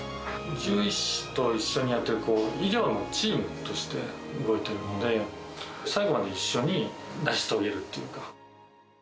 獣医師と一緒にやっている医療のチームとして、動いているので、最後まで一緒に成し遂げるというか。